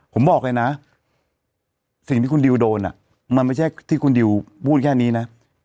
ผมบอกเลยนะสิ่งที่คุณดิวโดนมันไม่ใช่ที่คุณดิวพูดแค่นี้นะ